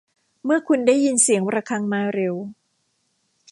เมื่อคุณได้ยินเสียงระฆังมาเร็ว